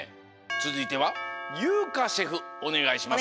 つづいてはゆうかシェフおねがいします。